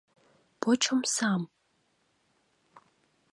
Поч омсам!